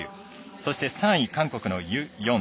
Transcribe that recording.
そして３位、韓国のユ・ヨン。